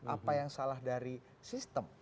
apa yang salah dari sistem